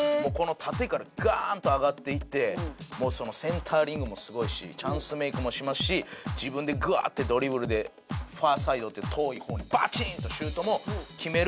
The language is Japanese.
縦からガーンと上がっていってもうセンタリングもすごいしチャンスメイクもしますし自分でグワーッてドリブルでファーサイドって遠い方にバチーンとシュートも決める